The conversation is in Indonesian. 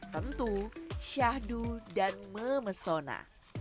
tentu syahdu dan memesona